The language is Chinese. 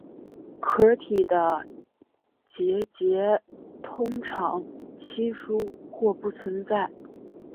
壳体的结节通常稀疏或不存在。